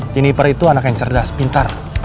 jenniper itu anak yang cerdas pintar